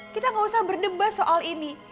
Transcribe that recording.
kita gak usah berdebat soal ini